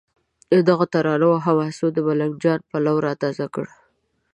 دغو ترانو او حماسو د ملنګ جان پلونه را تازه کړل.